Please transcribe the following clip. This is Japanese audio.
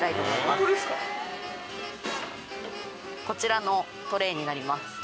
こちらのトレーになります。